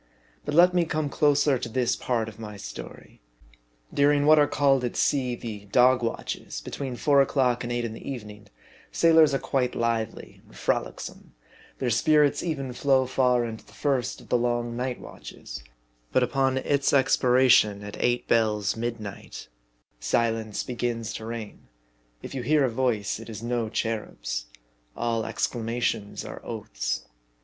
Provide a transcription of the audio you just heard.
But let me come closer to this part of my story. During what are called at sea the " dog watches" (between four o'clock and eight in the evening), sailors are quite lively and frolicsome ; their spirits even flow far into the first of the long "night watches ;" but upon its expiration at "eight bells" (midnight), silence begins to reign ; if you hear a voice it is no cherub's : all exclamations are oaths.